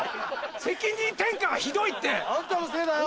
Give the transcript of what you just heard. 責任転嫁がひどいって！あんたのせいだよ！